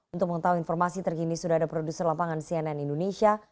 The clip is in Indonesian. untuk mengetahui informasi terkini sudah ada produser lapangan cnn indonesia